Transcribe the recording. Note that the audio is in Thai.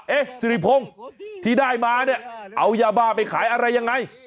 สิริพงศ์ที่ได้มาเนี่ยเอายาบ้าไปขายอะไรยังไง